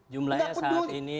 jumlahnya saat ini